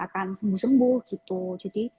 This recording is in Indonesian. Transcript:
akan sembuh sembuh gitu jadi